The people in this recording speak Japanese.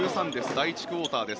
第１クオーターです。